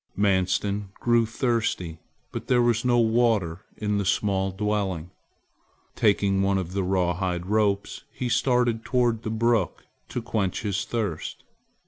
Manstin grew thirsty, but there was no water in the small dwelling. Taking one of the rawhide ropes he started toward the brook to quench his thirst.